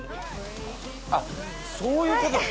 あっそういうこと！